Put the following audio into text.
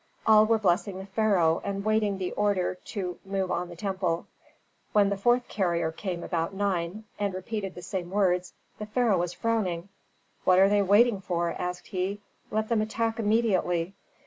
All were blessing the pharaoh, and waiting the order to move on the temple. When the fourth courier came about nine, and repeated the same words, the pharaoh was frowning. "What are they waiting for?" asked he. "Let them attack immediately."